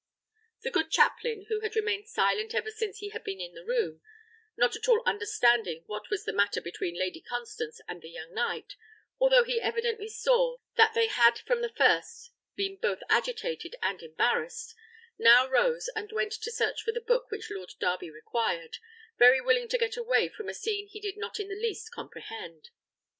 The good chaplain, who had remained silent ever since he had been in the room, not at all understanding what was the matter between Lady Constance and the young knight, although he evidently saw that they had from the first been both agitated and embarrassed, now rose, and went to search for the book which Lord Darby required, very willing to get away from a scene he did not in the least comprehend.